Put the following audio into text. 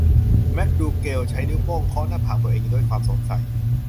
แมคดูแกลใช้นิ้วโป้งเคาะหน้าผากตัวเองด้วยความสงสัย